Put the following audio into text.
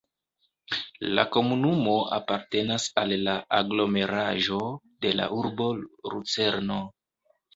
La komunumo apartenas al la aglomeraĵo de la urbo Lucerno.